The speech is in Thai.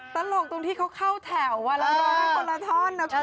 ตลกตรงที่เขาเข้าแถวแล้วร้องได้คนละท่อนนะคุณ